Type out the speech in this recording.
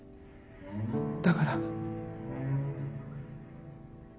だから。